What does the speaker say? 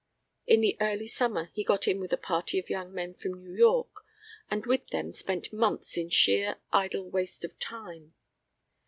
In the early summer he got in with a party of young men from New York and with them spent months in sheer idle waste of time.